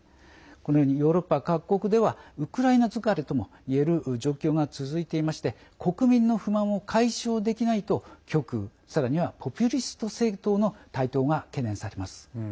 このようにヨーロッパ各国ではウクライナ疲れともいえるような状況が続いていまして国民の不満を解消できないと極右、さらにはポピュリスト政党の台頭が懸念されます。